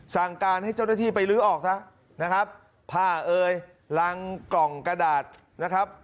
สั่งการให้เจ้าหน้าที่ไปลื้อออกซะนะครับผ้าเอ่ยรังกล่องกระดาษนะครับ